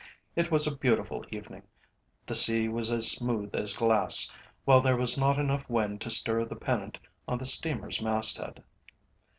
It was a beautiful evening; the sea was as smooth as glass, while there was not enough wind to stir the pennant on the steamer's masthead.